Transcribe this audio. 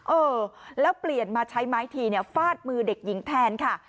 เออแล้วเปลี่ยนมาใช้ไม้ทีฟาดมือเด็กหญิงแทนค่ะ